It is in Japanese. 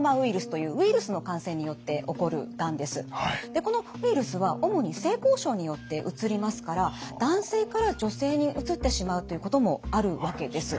でこのウイルスは主に性交渉によってうつりますから男性から女性にうつってしまうということもあるわけです。